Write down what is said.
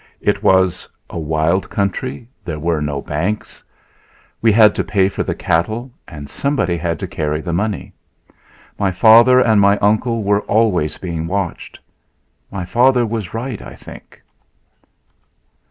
It was a wild country. There were no banks. We had to pay for the cattle, and somebody had to carry the money. My father and my uncle were always being watched. My father was right, I think.